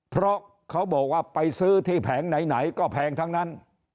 เพราะเขาบอกว่าไปซื้อที่แผงไหนก็แพงทั้งนั้น